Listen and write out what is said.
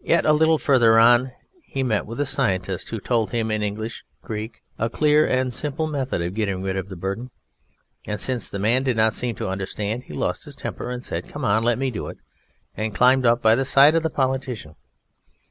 Yet a little further on he met with a Scientist, who told him in English Greek a clear and simple method of getting rid of the burden, and, since the Man did not seem to understand, he lost his temper, and said, "Come, let me do it," and climbed up by the side of the Politician.